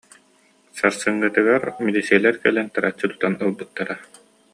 Сар- сыҥҥытыгар милииссийэлэр кэлэн тараччы тутан ылбыттара